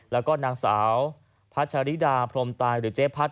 แล้วก็นางสาวพัชริดาพรมตายหรือเจ๊พัด